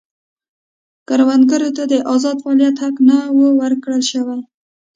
کروندګرو ته د ازاد فعالیت حق نه و ورکړل شوی.